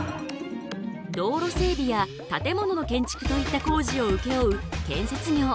道路整備や建物の建築といった工事をうけ負う建設業。